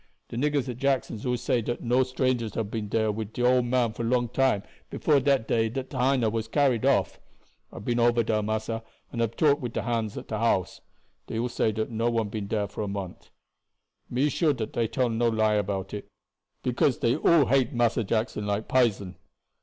The niggers at Jackson's all say dat no strangers hab been there wid de old man for a long time before de day dat Dinah was carried off. I have been over dar, massa, and hab talked wid the hands at de house. Dey all say dat no one been dere for a month. Me sure dat dey no tell a lie about it, because dey all hate Massa Jackson like pison.